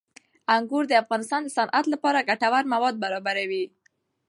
انګور د افغانستان د صنعت لپاره ګټور مواد برابروي.